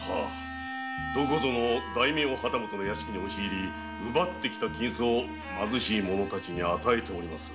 どこぞの大名旗本の屋敷に押し入り奪った金子を貧しい者たちに与えておりまする。